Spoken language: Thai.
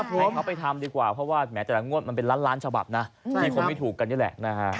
ให้เขาไปทำดีกว่าเพราะว่าแม้แต่ละงวดมันเป็นล้านฉบับนะมันคงไม่ถูกกันแหละ